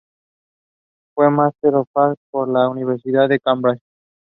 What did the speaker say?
Fue "Master of Arts" por la Universidad de Cambridge.